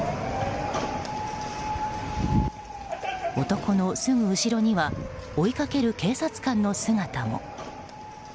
男のすぐ後ろには追いかける警察官の姿も。